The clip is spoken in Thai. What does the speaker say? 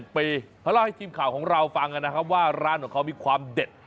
เขาเล่าให้ทีมข่าวของเราฟังนะครับว่าร้านของเขามีความเด็ด